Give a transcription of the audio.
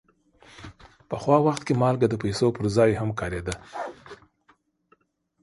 پخوا وخت کې مالګه د پیسو پر ځای هم کارېده.